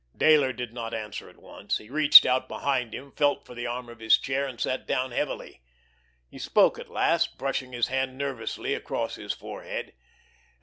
Dayler did not answer at once. He reached out behind him, felt for the arm of his chair, and sat down heavily. He spoke at last, brushing his hand nervously across his forehead.